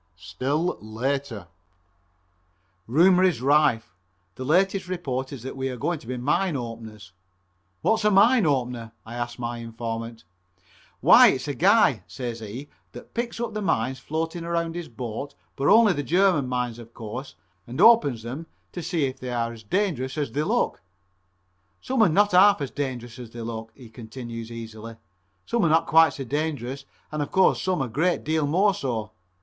(Still later) Rumor is rife. The latest report is that we are going to be Mine Openers. "What's a Mine Opener?" I asked my informant. "Why, it's a guy," says he, "that picks up the mines floating around his boat, but only the German mines of course, and opens them to see if they are as dangerous as they look. Some are not half as dangerous as they look," he continues easily, "some are not quite so dangerous and of course some are a great deal more so.